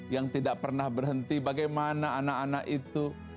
yang tidak pernah berhenti bagaimana anak anak itu